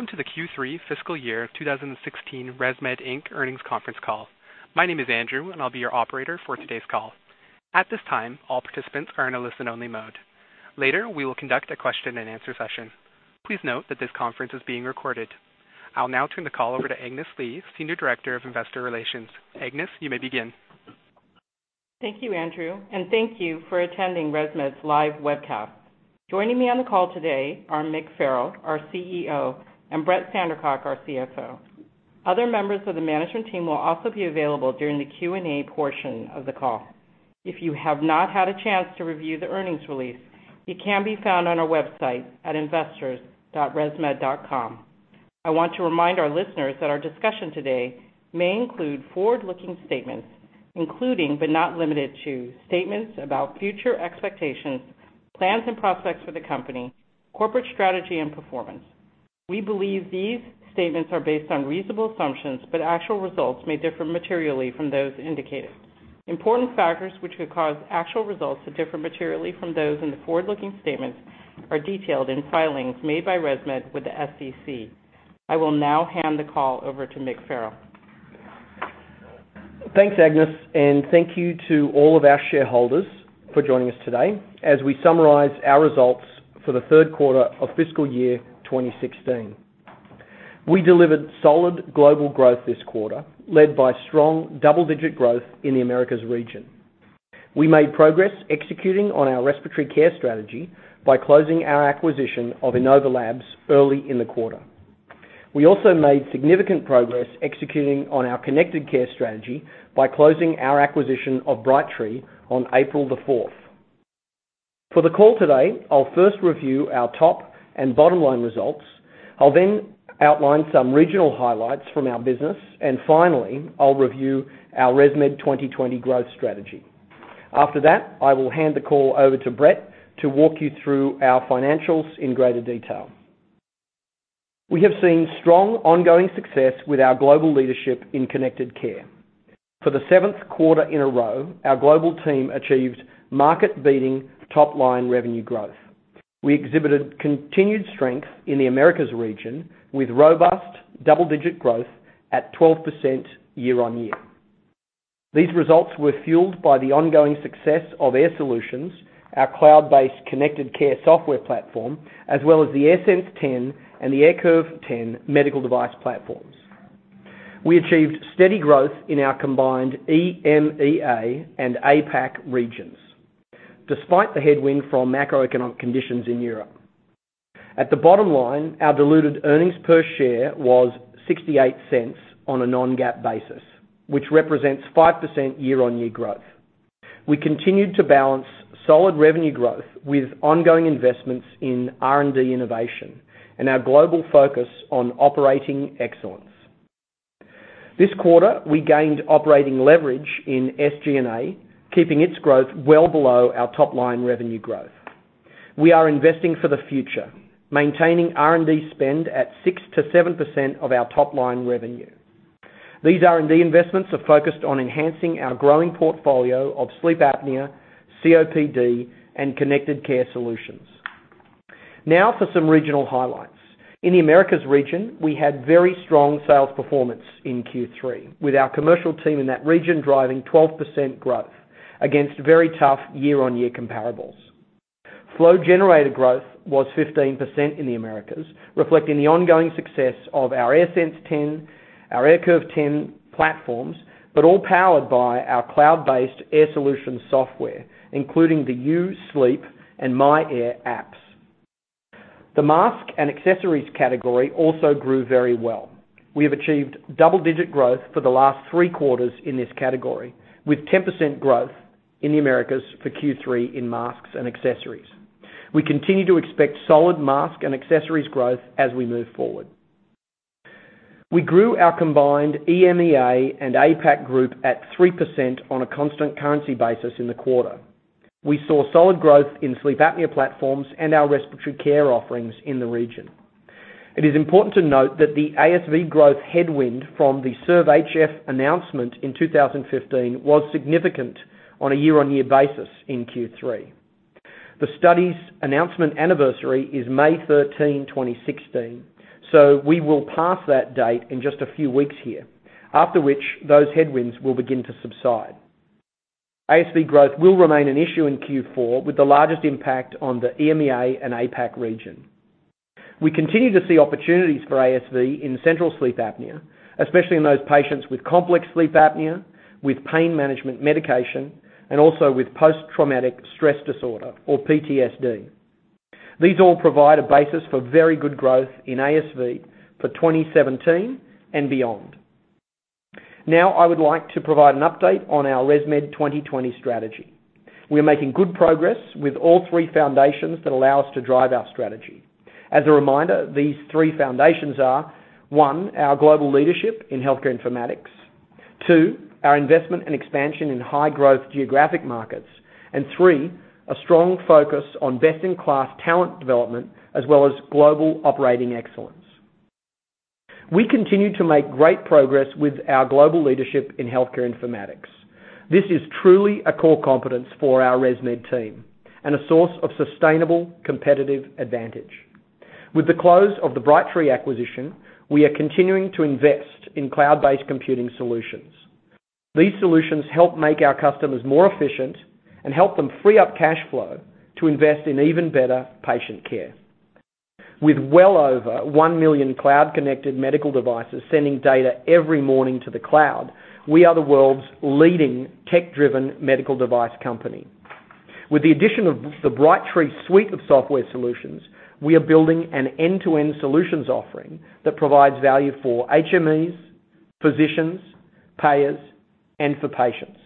Welcome to the Q3 fiscal year 2016 ResMed Inc. earnings conference call. My name is Andrew, and I'll be your operator for today's call. At this time, all participants are in a listen-only mode. Later, we will conduct a question and answer session. Please note that this conference is being recorded. I'll now turn the call over to Agnes Lee, Senior Director, Investor Relations. Agnes, you may begin. Thank you, Andrew, and thank you for attending ResMed's live webcast. Joining me on the call today are Mick Farrell, our CEO, and Brett Sandercock, our CFO. Other members of the management team will also be available during the Q&A portion of the call. If you have not had a chance to review the earnings release, it can be found on our website at investors.resmed.com. I want to remind our listeners that our discussion today may include forward-looking statements, including but not limited to statements about future expectations, plans and prospects for the company, corporate strategy, and performance. We believe these statements are based on reasonable assumptions, but actual results may differ materially from those indicated. Important factors which could cause actual results to differ materially from those in the forward-looking statements are detailed in filings made by ResMed with the SEC. I will now hand the call over to Mick Farrell. Thanks, Agnes, and thank you to all of our shareholders for joining us today as we summarize our results for the third quarter of fiscal year 2016. We delivered solid global growth this quarter, led by strong double-digit growth in the Americas region. We made progress executing on our respiratory care strategy by closing our acquisition of Inova Labs early in the quarter. We also made significant progress executing on our connected care strategy by closing our acquisition of Brightree on April the 4th. For the call today, I'll first review our top and bottom-line results. I'll then outline some regional highlights from our business. Finally, I'll review our ResMed 2020 growth strategy. After that, I will hand the call over to Brett to walk you through our financials in greater detail. We have seen strong ongoing success with our global leadership in connected care. For the seventh quarter in a row, our global team achieved market-beating top-line revenue growth. We exhibited continued strength in the Americas region with robust double-digit growth at 12% year-on-year. These results were fueled by the ongoing success of Air Solutions, our cloud-based connected care software platform, as well as the AirSense 10 and the AirCurve 10 medical device platforms. We achieved steady growth in our combined EMEA and APAC regions, despite the headwind from macroeconomic conditions in Europe. At the bottom line, our diluted earnings per share was $0.68 on a non-GAAP basis, which represents 5% year-on-year growth. We continued to balance solid revenue growth with ongoing investments in R&D innovation and our global focus on operating excellence. This quarter, we gained operating leverage in SG&A, keeping its growth well below our top-line revenue growth. We are investing for the future, maintaining R&D spend at 6%-7% of our top-line revenue. These R&D investments are focused on enhancing our growing portfolio of sleep apnea, COPD, and connected care solutions. For some regional highlights. In the Americas region, we had very strong sales performance in Q3, with our commercial team in that region driving 12% growth against very tough year-on-year comparables. Flow generator growth was 15% in the Americas, reflecting the ongoing success of our AirSense 10, our AirCurve 10 platforms, all powered by our cloud-based Air Solutions software, including the U-Sleep and myAir apps. The mask and accessories category also grew very well. We have achieved double-digit growth for the last three quarters in this category, with 10% growth in the Americas for Q3 in masks and accessories. We continue to expect solid mask and accessories growth as we move forward. We grew our combined EMEA and APAC group at 3% on a constant currency basis in the quarter. We saw solid growth in sleep apnea platforms and our respiratory care offerings in the region. It is important to note that the ASV growth headwind from the SERVE-HF announcement in 2015 was significant on a year-on-year basis in Q3. The study's announcement anniversary is May 13, 2016, so we will pass that date in just a few weeks here, after which those headwinds will begin to subside. ASV growth will remain an issue in Q4, with the largest impact on the EMEA and APAC region. We continue to see opportunities for ASV in central sleep apnea, especially in those patients with complex sleep apnea, with pain management medication, and also with post-traumatic stress disorder, or PTSD. These all provide a basis for very good growth in ASV for 2017 and beyond. I would like to provide an update on our ResMed 2020 strategy. We are making good progress with all three foundations that allow us to drive our strategy. As a reminder, these three foundations are, one, our global leadership in healthcare informatics. Two, our investment and expansion in high-growth geographic markets. Three, a strong focus on best-in-class talent development, as well as global operating excellence. We continue to make great progress with our global leadership in healthcare informatics. This is truly a core competence for our ResMed team and a source of sustainable competitive advantage. With the close of the Brightree acquisition, we are continuing to invest in cloud-based computing solutions. These solutions help make our customers more efficient and help them free up cash flow to invest in even better patient care. With well over 1 million cloud-connected medical devices sending data every morning to the cloud, we are the world's leading tech-driven medical device company. With the addition of the Brightree suite of software solutions, we are building an end-to-end solutions offering that provides value for HMEs, physicians, payers, and for patients.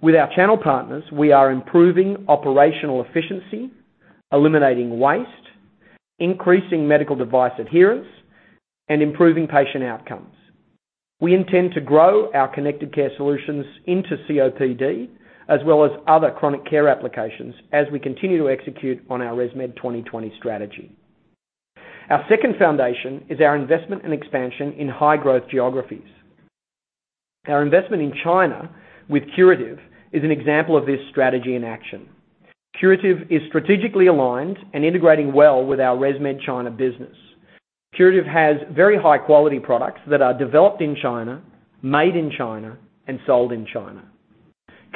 With our channel partners, we are improving operational efficiency, eliminating waste, increasing medical device adherence, and improving patient outcomes. We intend to grow our connected care solutions into COPD, as well as other chronic care applications as we continue to execute on our ResMed 2020 strategy. Our second foundation is our investment and expansion in high-growth geographies. Our investment in China with Curative is an example of this strategy in action. Curative is strategically aligned and integrating well with our ResMed China business. Curative has very high-quality products that are developed in China, made in China, and sold in China.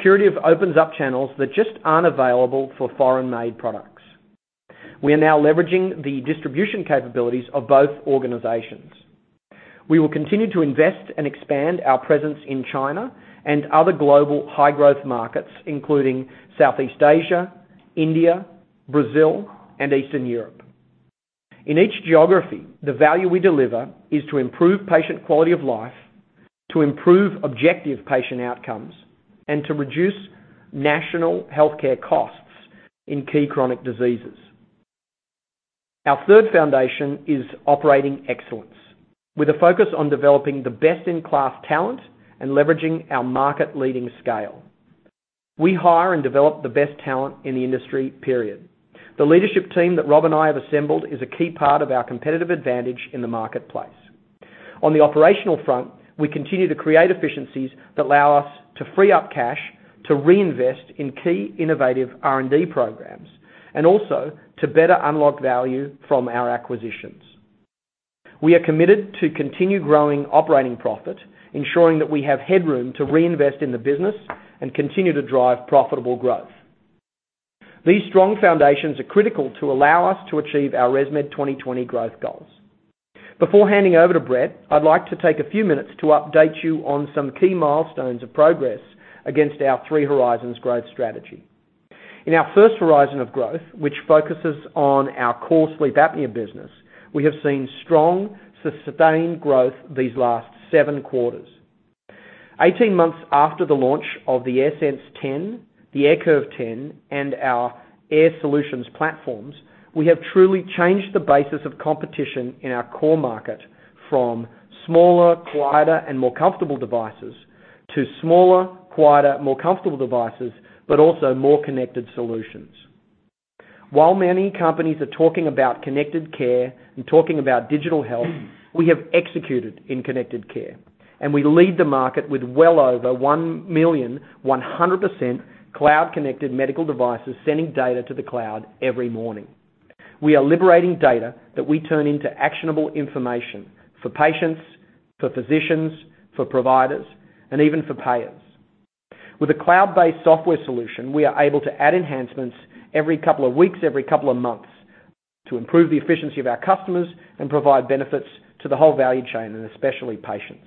Curative opens up channels that just aren't available for foreign-made products. We are now leveraging the distribution capabilities of both organizations. We will continue to invest and expand our presence in China and other global high-growth markets, including Southeast Asia, India, Brazil, and Eastern Europe. In each geography, the value we deliver is to improve patient quality of life, to improve objective patient outcomes, and to reduce national healthcare costs in key chronic diseases. Our third foundation is operating excellence. With a focus on developing the best-in-class talent and leveraging our market-leading scale. We hire and develop the best talent in the industry, period. The leadership team that Rob and I have assembled is a key part of our competitive advantage in the marketplace. On the operational front, we continue to create efficiencies that allow us to free up cash to reinvest in key innovative R&D programs, and also to better unlock value from our acquisitions. We are committed to continue growing operating profit, ensuring that we have headroom to reinvest in the business and continue to drive profitable growth. These strong foundations are critical to allow us to achieve our ResMed 2020 growth goals. Before handing over to Brett, I'd like to take a few minutes to update you on some key milestones of progress against our three horizons growth strategy. In our first horizon of growth, which focuses on our core sleep apnea business, we have seen strong, sustained growth these last seven quarters. 18 months after the launch of the AirSense 10, the AirCurve 10, and our Air Solutions platforms, we have truly changed the basis of competition in our core market from smaller, quieter, and more comfortable devices to smaller, quieter, more comfortable devices, but also more connected solutions. While many companies are talking about connected care and talking about digital health, we have executed in connected care, and we lead the market with well over 1 million, 100% cloud-connected medical devices sending data to the cloud every morning. We are liberating data that we turn into actionable information for patients, for physicians, for providers, and even for payers. With a cloud-based software solution, we are able to add enhancements every couple of weeks, every couple of months, to improve the efficiency of our customers and provide benefits to the whole value chain, and especially patients.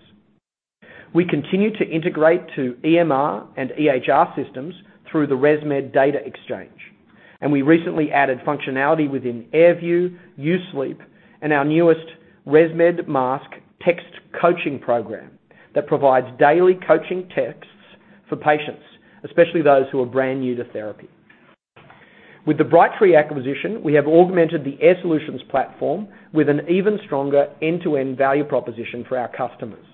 We continue to integrate to EMR and EHR systems through the ResMed Data Exchange, and we recently added functionality within AirView, U-Sleep, and our newest ResMed Mask text coaching program that provides daily coaching texts for patients, especially those who are brand new to therapy. With the Brightree acquisition, we have augmented the Air Solutions platform with an even stronger end-to-end value proposition for our customers.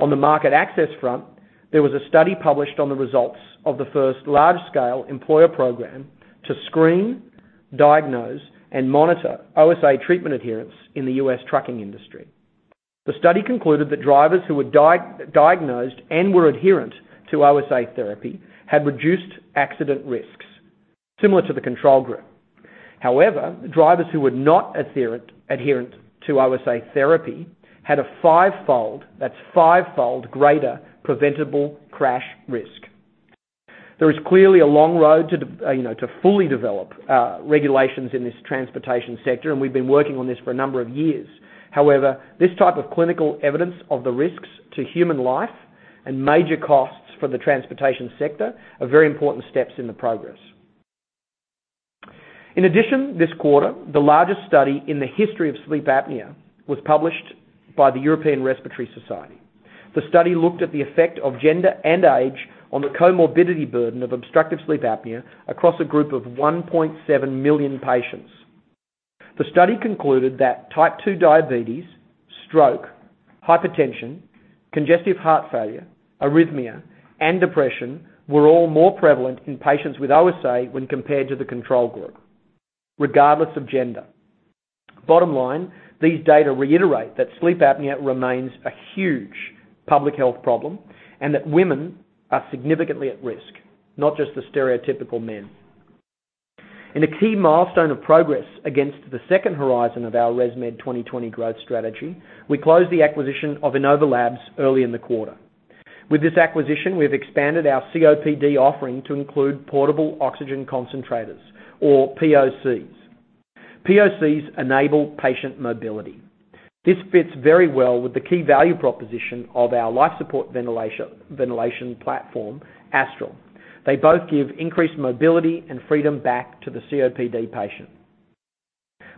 On the market access front, there was a study published on the results of the first large-scale employer program to screen, diagnose, and monitor OSA treatment adherence in the U.S. trucking industry. The study concluded that drivers who were diagnosed and were adherent to OSA therapy had reduced accident risks similar to the control group. However, drivers who were not adherent to OSA therapy had a five-fold greater preventable crash risk. There is clearly a long road to fully develop regulations in this transportation sector, we've been working on this for a number of years. However, this type of clinical evidence of the risks to human life and major costs for the transportation sector are very important steps in the progress. In addition, this quarter, the largest study in the history of sleep apnea was published by the European Respiratory Society. The study looked at the effect of gender and age on the comorbidity burden of obstructive sleep apnea across a group of 1.7 million patients. The study concluded that type 2 diabetes, stroke, hypertension, congestive heart failure, arrhythmia, and depression were all more prevalent in patients with OSA when compared to the control group. Regardless of gender. Bottom line, these data reiterate that sleep apnea remains a huge public health problem, and that women are significantly at risk, not just the stereotypical men. In a key milestone of progress against the second horizon of our ResMed 2020 growth strategy, we closed the acquisition of Inova Labs early in the quarter. With this acquisition, we've expanded our COPD offering to include portable oxygen concentrators, or POCs. POCs enable patient mobility. This fits very well with the key value proposition of our life support ventilation platform, Astral. They both give increased mobility and freedom back to the COPD patient.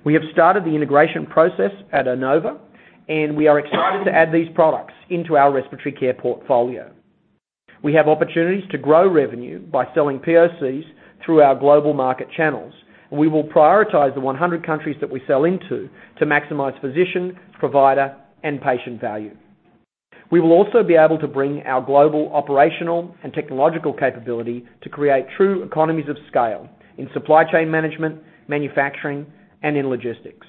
We have started the integration process at Inova, and we are excited to add these products into our respiratory care portfolio. We have opportunities to grow revenue by selling POCs through our global market channels, we will prioritize the 100 countries that we sell into, to maximize physician, provider, and patient value. We will also be able to bring our global operational and technological capability to create true economies of scale in supply chain management, manufacturing, and in logistics.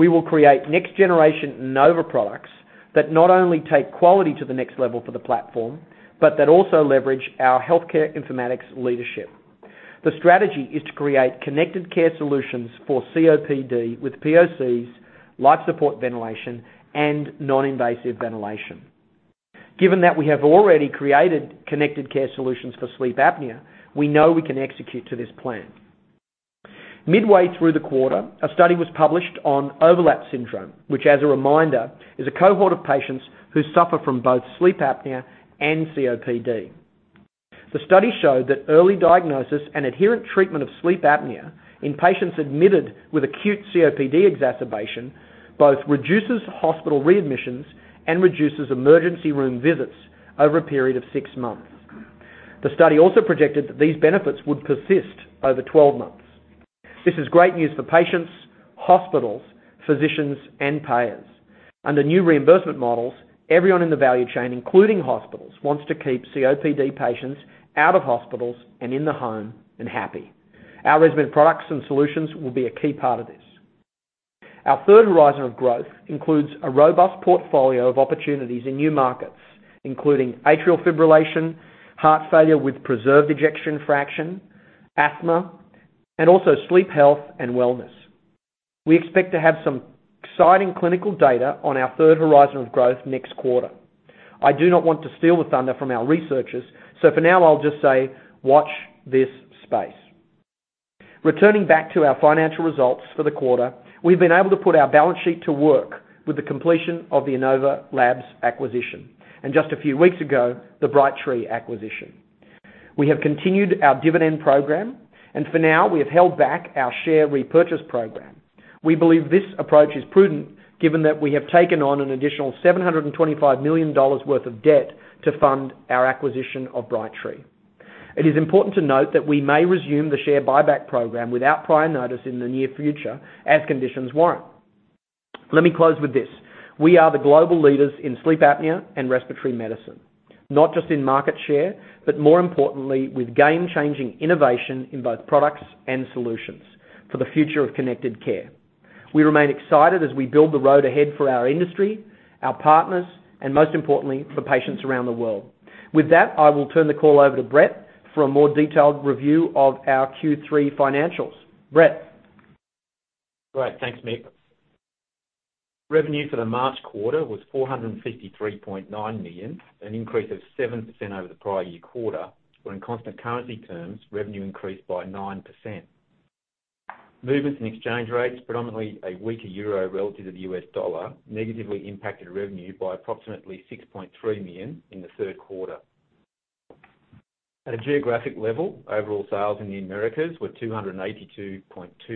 We will create next generation Inova products that not only take quality to the next level for the platform, but that also leverage our healthcare informatics leadership. The strategy is to create connected care solutions for COPD with POCs, life support ventilation, and non-invasive ventilation. Given that we have already created connected care solutions for sleep apnea, we know we can execute to this plan. Midway through the quarter, a study was published on overlap syndrome, which, as a reminder, is a cohort of patients who suffer from both sleep apnea and COPD. The study showed that early diagnosis and adherent treatment of sleep apnea in patients admitted with acute COPD exacerbation both reduces hospital readmissions and reduces emergency room visits over a period of six months. The study also projected that these benefits would persist over 12 months. This is great news for patients, hospitals, physicians, and payers. Under new reimbursement models, everyone in the value chain, including hospitals, wants to keep COPD patients out of hospitals and in the home and happy. Our ResMed products and solutions will be a key part of this. Our third horizon of growth includes a robust portfolio of opportunities in new markets, including atrial fibrillation, heart failure with preserved ejection fraction, asthma, and also sleep health and wellness. We expect to have some exciting clinical data on our third horizon of growth next quarter. I do not want to steal the thunder from our researchers. For now, I'll just say, watch this space. Returning back to our financial results for the quarter, we've been able to put our balance sheet to work with the completion of the Inova Labs acquisition. Just a few weeks ago, the Brightree acquisition. We have continued our dividend program, and for now, we have held back our share repurchase program. We believe this approach is prudent given that we have taken on an additional $725 million worth of debt to fund our acquisition of Brightree. It is important to note that we may resume the share buyback program without prior notice in the near future as conditions warrant. Let me close with this. We are the global leaders in sleep apnea and respiratory medicine, not just in market share, but more importantly with game-changing innovation in both products and solutions for the future of connected care. We remain excited as we build the road ahead for our industry, our partners, and most importantly, for patients around the world. With that, I will turn the call over to Brett for a more detailed review of our Q3 financials. Brett? Great. Thanks, Mick. Revenue for the March quarter was $453.9 million, an increase of 7% over the prior year quarter, where in constant currency terms, revenue increased by 9%. Movements in exchange rates, predominantly a weaker euro relative to the US dollar, negatively impacted revenue by approximately $6.3 million in the third quarter. At a geographic level, overall sales in the Americas were $282.2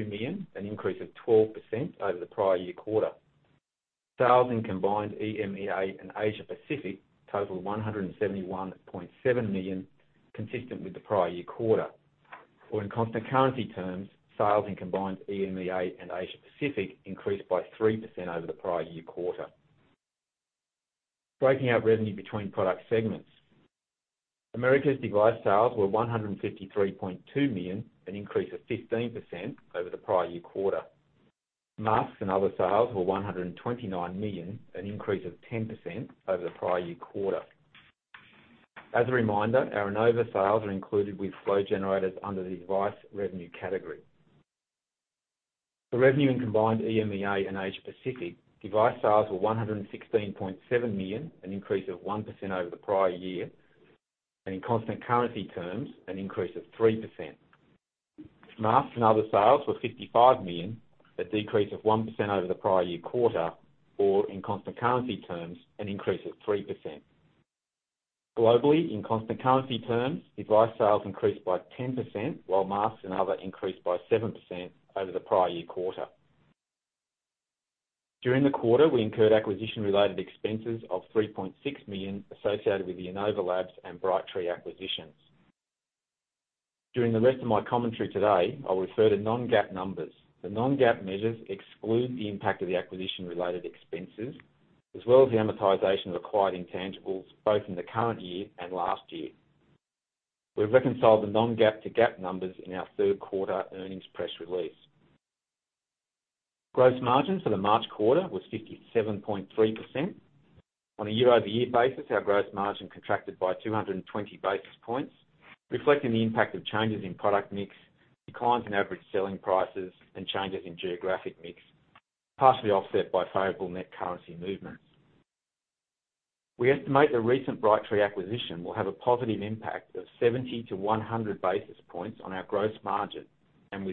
million, an increase of 12% over the prior year quarter. Sales in combined EMEA and Asia Pacific totaled $171.7 million, consistent with the prior year quarter. In constant currency terms, sales in combined EMEA and Asia Pacific increased by 3% over the prior year quarter. Breaking out revenue between product segments. Americas device sales were $153.2 million, an increase of 15% over the prior year quarter. Masks and other sales were $129 million, an increase of 10% over the prior year quarter. As a reminder, our Inova sales are included with flow generators under the device revenue category. The revenue in combined EMEA and Asia Pacific device sales were $116.7 million, an increase of 1% over the prior year, and in constant currency terms, an increase of 3%. Masks and other sales were $55 million, a decrease of 1% over the prior year quarter, or in constant currency terms, an increase of 3%. Globally, in constant currency terms, device sales increased by 10%, while masks and other increased by 7% over the prior year quarter. During the quarter, we incurred acquisition-related expenses of $3.6 million associated with the Inova Labs and Brightree acquisitions. During the rest of my commentary today, I'll refer to non-GAAP numbers. The non-GAAP measures exclude the impact of the acquisition-related expenses as well as the amortization of acquired intangibles, both in the current year and last year. We've reconciled the non-GAAP to GAAP numbers in our third quarter earnings press release. Gross margins for the March quarter was 57.3%. On a year-over-year basis, our gross margin contracted by 220 basis points, reflecting the impact of changes in product mix, declines in average selling prices, and changes in geographic mix, partially offset by favorable net currency movements. With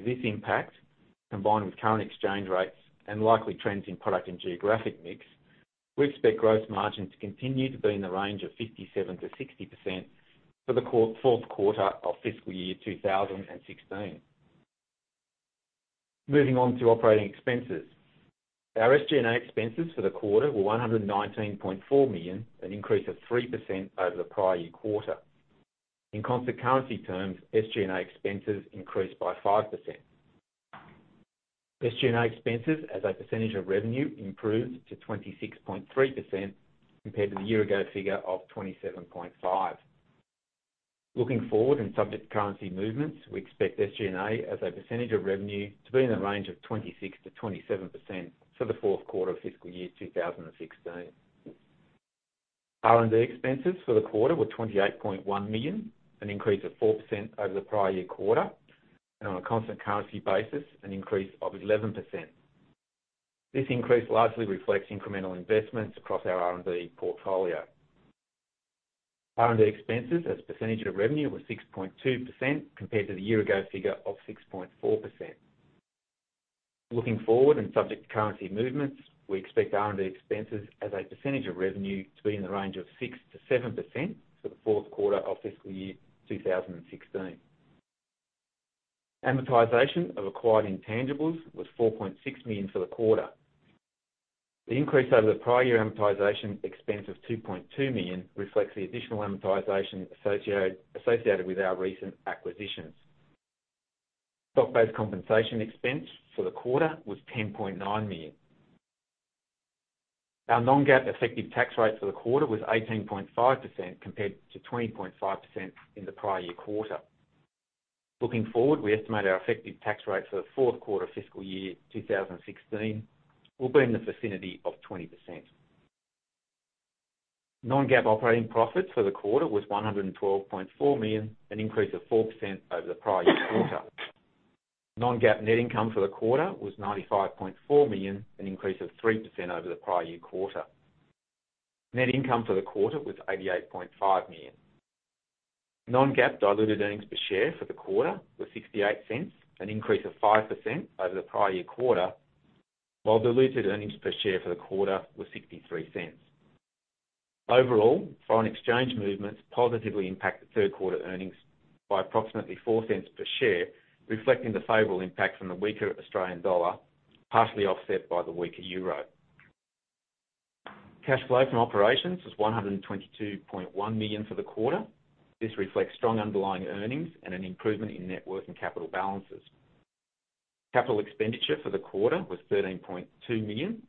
this impact, combined with current exchange rates and likely trends in product and geographic mix, we expect gross margin to continue to be in the range of 57%-60% for the fourth quarter of fiscal year 2016. Moving on to operating expenses. Our SG&A expenses for the quarter were $119.4 million, an increase of 3% over the prior year quarter. In constant currency terms, SG&A expenses increased by 5%. SG&A expenses as a percentage of revenue improved to 26.3% compared to the year ago figure of 27.5%. Looking forward, and subject to currency movements, we expect SG&A as a percentage of revenue to be in the range of 26%-27% for the fourth quarter of fiscal year 2016. R&D expenses for the quarter were $28.1 million, an increase of 4% over the prior year quarter, and on a constant currency basis, an increase of 11%. This increase largely reflects incremental investments across our R&D portfolio. R&D expenses as a percentage of revenue were 6.2% compared to the year ago figure of 6.4%. Looking forward, and subject to currency movements, we expect R&D expenses as a percentage of revenue to be in the range of 6%-7% for the fourth quarter of fiscal year 2016. Amortization of acquired intangibles was $4.6 million for the quarter. The increase over the prior year amortization expense of $2.2 million reflects the additional amortization associated with our recent acquisitions. Stock-based compensation expense for the quarter was $10.9 million. Our non-GAAP effective tax rate for the quarter was 18.5% compared to 20.5% in the prior year quarter. Looking forward, we estimate our effective tax rate for the fourth quarter fiscal year 2016 will be in the vicinity of 20%. Non-GAAP operating profits for the quarter was $112.4 million, an increase of 4% over the prior year quarter. Non-GAAP net income for the quarter was $95.4 million, an increase of 3% over the prior year quarter. Net income for the quarter was $88.5 million. Non-GAAP diluted earnings per share for the quarter were $0.68, an increase of 5% over the prior year quarter, while diluted earnings per share for the quarter were $0.63. Overall, foreign exchange movements positively impacted third quarter earnings by approximately $0.03 per share, reflecting the favorable impact from the weaker Australian dollar, partially offset by the weaker euro. Cash flow from operations was $122.1 million for the quarter. This reflects strong underlying earnings and an improvement in net working capital balances. Capital expenditure for the quarter was $13.2 million,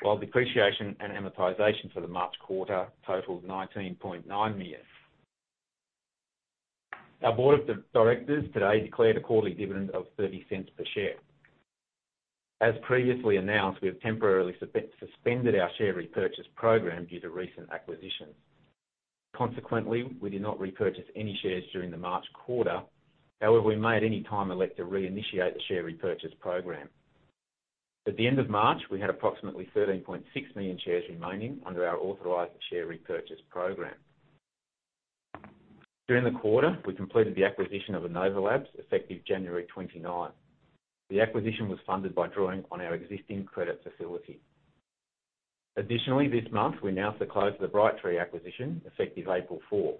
while depreciation and amortization for the March quarter totaled $19.9 million. Our board of directors today declared a quarterly dividend of $0.30 per share. As previously announced, we have temporarily suspended our share repurchase program due to recent acquisitions. Consequently, we did not repurchase any shares during the March quarter. However, we may at any time elect to reinitiate the share repurchase program. At the end of March, we had approximately 13.6 million shares remaining under our authorized share repurchase program. During the quarter, we completed the acquisition of Inova Labs, effective January 29th. The acquisition was funded by drawing on our existing credit facility. Additionally, this month, we announced the close of the Brightree acquisition, effective April 4th.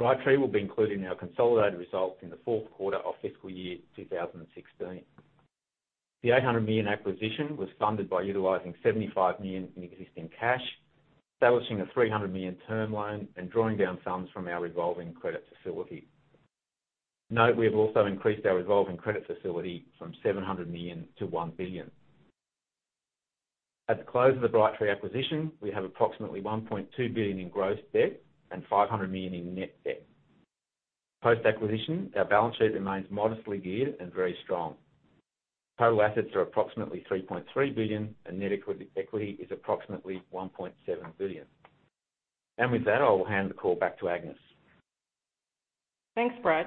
Brightree will be included in our consolidated results in the fourth quarter of fiscal year 2016. The $800 million acquisition was funded by utilizing $75 million in existing cash, establishing a $300 million term loan, and drawing down sums from our revolving credit facility. Note, we have also increased our revolving credit facility from $700 million to $1 billion. At the close of the Brightree acquisition, we have approximately $1.2 billion in gross debt and $500 million in net debt. Post-acquisition, our balance sheet remains modestly geared and very strong. Total assets are approximately $3.3 billion, and net equity is approximately $1.7 billion. With that, I will hand the call back to Agnes. Thanks, Brett.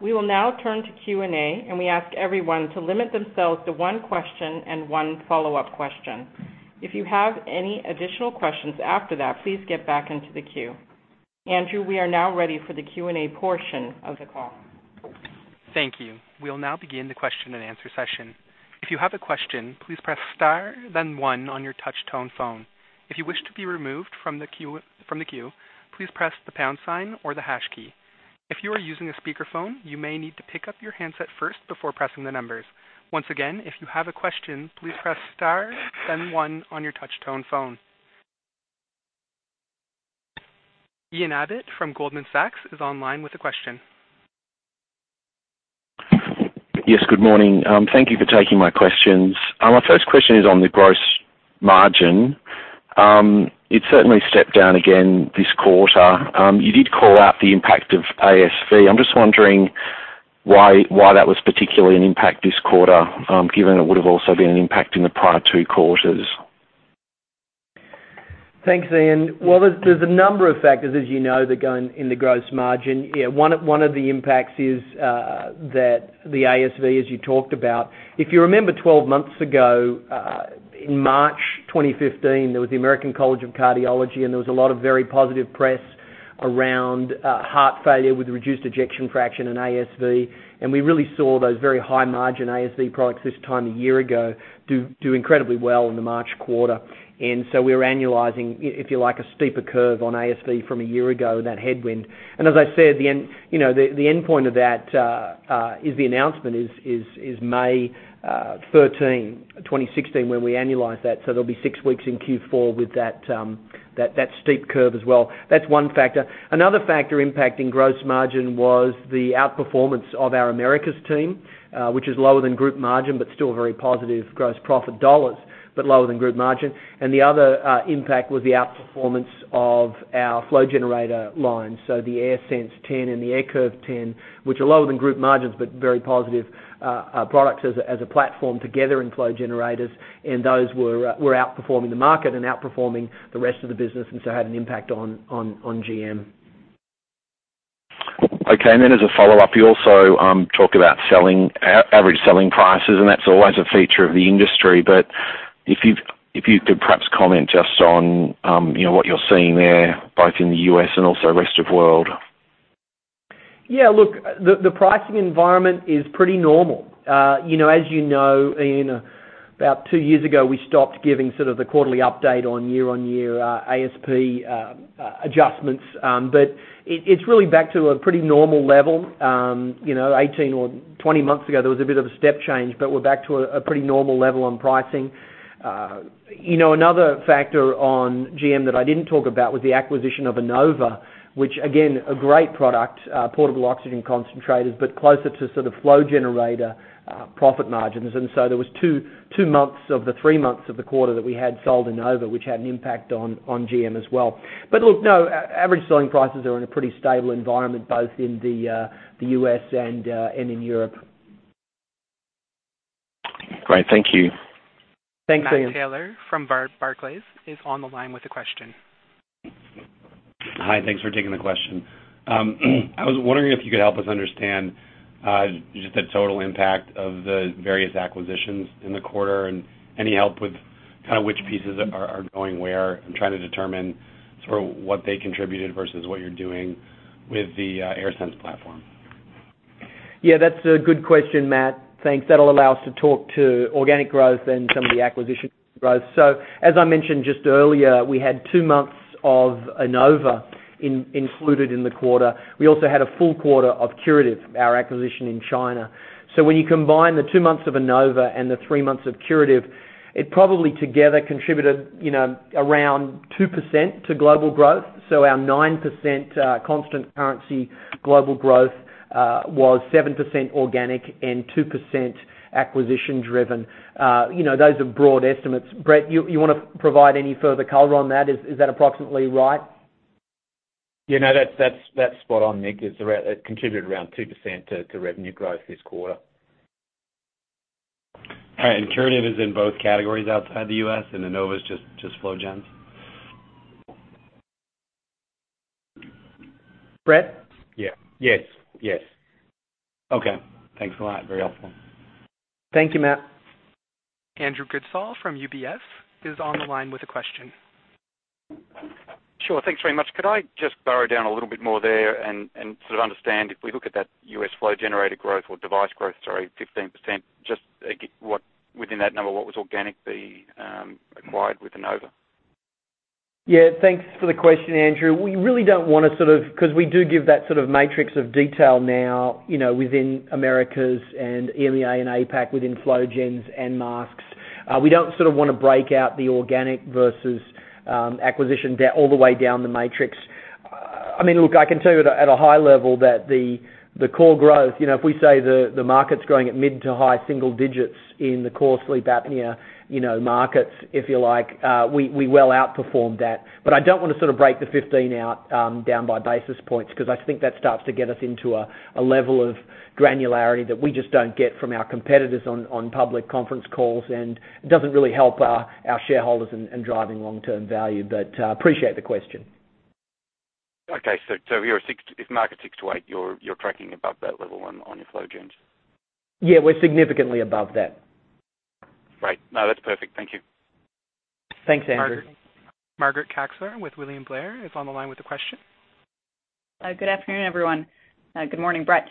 We will now turn to Q&A, and we ask everyone to limit themselves to one question and one follow-up question. If you have any additional questions after that, please get back into the queue. Andrew, we are now ready for the Q&A portion of the call. Thank you. We'll now begin the question and answer session. If you have a question, please press star then one on your touch tone phone. If you wish to be removed from the queue, please press the pound sign or the hash key. If you are using a speakerphone, you may need to pick up your handset first before pressing the numbers. Once again, if you have a question, please press star then one on your touch tone phone. Ian Abbott from Goldman Sachs is online with a question. Yes, good morning. Thank you for taking my questions. My first question is on the gross margin. It certainly stepped down again this quarter. You did call out the impact of ASV. I'm just wondering why that was particularly an impact this quarter, given it would've also been an impact in the prior two quarters. Thanks, Ian. Well, there's a number of factors, as you know, that go in the gross margin. One of the impacts is that the ASV, as you talked about. If you remember 12 months ago, in March 2015, there was the American College of Cardiology, and there was a lot of very positive press around heart failure with reduced ejection fraction and ASV. We really saw those very high-margin ASV products this time a year ago, do incredibly well in the March quarter. So we were annualizing, if you like, a steeper curve on ASV from a year ago, that headwind. As I said, the endpoint of that is the announcement is May 13, 2016, when we annualize that. So there'll be six weeks in Q4 with that steep curve as well. That's one factor. Another factor impacting gross margin was the outperformance of our Americas team, which is lower than group margin, but still very positive gross profit dollars, but lower than group margin. The other impact was the outperformance of our flow generator line. The AirSense 10 and the AirCurve 10, which are lower than group margins, but very positive products as a platform together in flow generators. Those were outperforming the market and outperforming the rest of the business, had an impact on GM. Okay. As a follow-up, you also talk about average selling prices, and that's always a feature of the industry. If you could perhaps comment just on what you're seeing there, both in the U.S. and also rest of world. Yeah, look, the pricing environment is pretty normal. As you know, Ian, about two years ago, we stopped giving sort of the quarterly update on year-on-year ASP adjustments. It's really back to a pretty normal level. 18 or 20 months ago, there was a bit of a step change, but we're back to a pretty normal level on pricing. Another factor on GM that I didn't talk about was the acquisition of Inova, which again, a great product, portable oxygen concentrators, but closer to sort of flow generator profit margins. There was two months of the three months of the quarter that we had sold Inova, which had an impact on GM as well. Look, no, average selling prices are in a pretty stable environment, both in the U.S. and in Europe. Great. Thank you. Thanks, Ian. Matthew Taylor from Barclays is on the line with a question. Hi, thanks for taking the question. I was wondering if you could help us understand just the total impact of the various acquisitions in the quarter, and any help with kind of which pieces are going where. I'm trying to determine sort of what they contributed versus what you're doing with the AirSense platform. Yeah, that's a good question, Matt. Thanks. That'll allow us to talk to organic growth and some of the acquisition growth. As I mentioned just earlier, we had two months of Inova included in the quarter. We also had a full quarter of Curative, our acquisition in China. When you combine the two months of Inova and the three months of Curative, it probably together contributed around 2% to global growth. Our 9% constant currency global growth, was 7% organic and 2% acquisition driven. Those are broad estimates. Brett, you want to provide any further color on that? Is that approximately right? Yeah. That's spot on, Mick. It contributed around 2% to revenue growth this quarter. Right. Curative is in both categories outside the U.S., and Inova's just flow gens? Brett? Yeah. Yes. Okay. Thanks a lot. Very helpful. Thank you, Matt. Andrew Goodsall from UBS is on the line with a question. Sure. Thanks very much. Could I just burrow down a little bit more there and sort of understand, if we look at that U.S. flow generator growth or device growth, sorry, 15%, just within that number, what was organically acquired with Inova? Yeah, thanks for the question, Andrew. We really don't want to sort of because we do give that sort of matrix of detail now within Americas and EMEA and APAC, within flow gens and masks. We don't sort of want to break out the organic versus acquisition, all the way down the matrix. I mean, look, I can tell you at a high level that the core growth, if we say the market's growing at mid to high single digits in the core sleep apnea markets, if you like, we well outperformed that. I don't want to sort of break the 15 out, down by basis points, because I think that starts to get us into a level of granularity that we just don't get from our competitors on public conference calls, and it doesn't really help our shareholders in driving long-term value. Appreciate the question. Okay. If market's six to eight, you're tracking above that level on your flow gens? Yeah, we're significantly above that. Great. No, that's perfect. Thank you. Thanks, Andrew. Margaret Kaczor with William Blair is on the line with a question. Good afternoon, everyone. Good morning, Brett.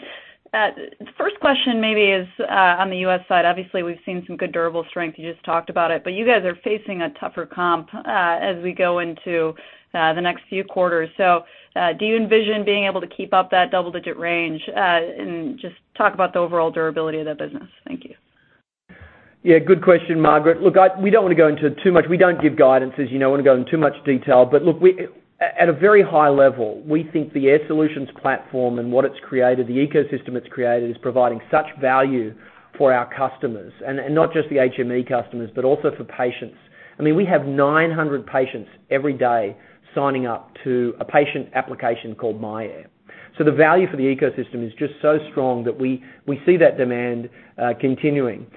First question maybe is, on the U.S. side, obviously, we've seen some good durable strength. You just talked about it, you guys are facing a tougher comp as we go into the next few quarters. Do you envision being able to keep up that double-digit range? Just talk about the overall durability of that business. Thank you. Yeah. Good question, Margaret. Look, we don't give guidance, want to go into too much detail. Look, at a very high level, we think the Air Solutions platform and what it's created, the ecosystem it's created, is providing such value for our customers. Not just the HME customers, but also for patients. We have 900 patients every day signing up to a patient application called myAir. The value for the ecosystem is just so strong that we see that demand continuing.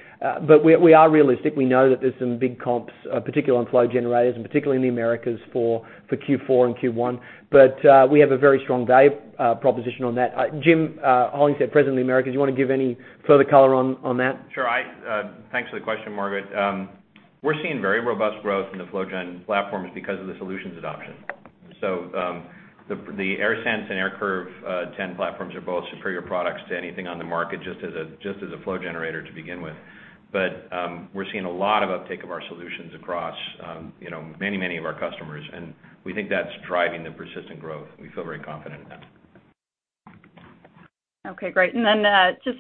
We are realistic. We know that there's some big comps, particularly on flow generators and particularly in the Americas for Q4 and Q1. We have a very strong value proposition on that. Jim Hollingshead, President of the Americas, you want to give any further color on that? Sure. Thanks for the question, Margaret. We're seeing very robust growth in the flow gen platforms because of the solutions adoption. The AirSense and AirCurve 10 platforms are both superior products to anything on the market, just as a flow generator to begin with. We're seeing a lot of uptake of our solutions across many of our customers. We think that's driving the persistent growth, and we feel very confident in that. Okay, great. Just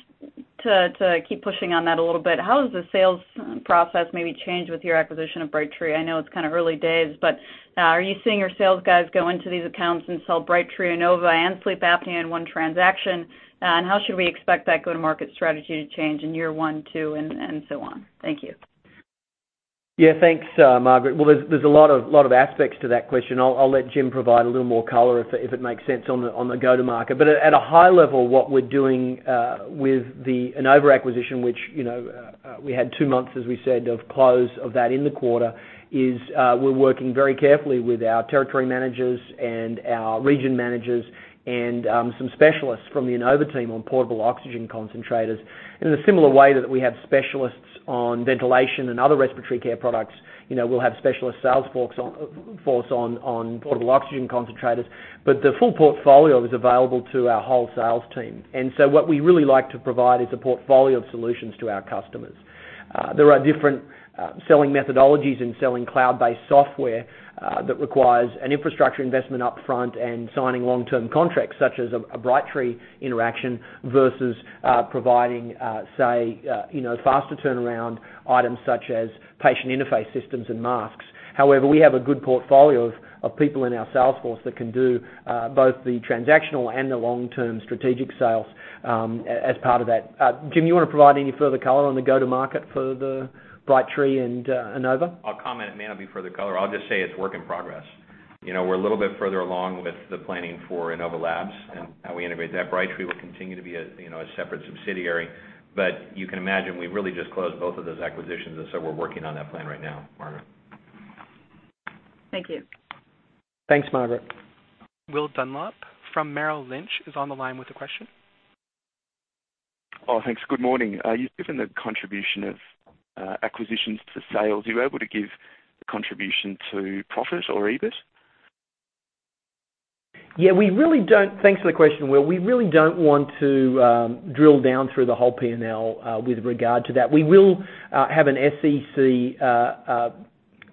to keep pushing on that a little bit, how has the sales process maybe changed with your acquisition of Brightree? I know it's early days, but are you seeing your sales guys go into these accounts and sell Brightree, Inova and sleep apnea in one transaction? How should we expect that go-to-market strategy to change in year one, two, and so on? Thank you. Thanks, Margaret. There's a lot of aspects to that question. I'll let Jim provide a little more color, if it makes sense, on the go-to-market. At a high level, what we're doing with the Inova acquisition, which we had two months, as we said, of close of that in the quarter, is we're working very carefully with our territory managers and our region managers and some specialists from the Inova team on portable oxygen concentrators. In a similar way that we have specialists on ventilation and other respiratory care products, we'll have specialist sales force on portable oxygen concentrators. The full portfolio is available to our whole sales team. What we really like to provide is a portfolio of solutions to our customers. There are different selling methodologies in selling cloud-based software that requires an infrastructure investment upfront and signing long-term contracts, such as a Brightree interaction versus providing, say, faster turnaround items such as patient interface systems and masks. However, we have a good portfolio of people in our sales force that can do both the transactional and the long-term strategic sales as part of that. Jim, you want to provide any further color on the go-to-market for the Brightree and Inova? I'll comment. It may not be further color. I'll just say it's work in progress. We're a little bit further along with the planning for Inova Labs and how we integrate that. Brightree will continue to be a separate subsidiary. You can imagine we really just closed both of those acquisitions, and so we're working on that plan right now, Margaret. Thank you. Thanks, Margaret. William Dunlop from Merrill Lynch is on the line with a question. Oh, thanks. Good morning. You've given the contribution of acquisitions to sales. Are you able to give the contribution to profit or EBIT? Yeah, thanks for the question, Will. We really don't want to drill down through the whole P&L with regard to that. We will have an SEC